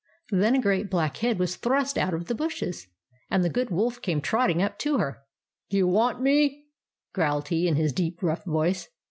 Then a great black head was thrust out of the bushes, and the Good Wolf came trotting up to her. " Do you want me ?" growled he, in his deep rough voice.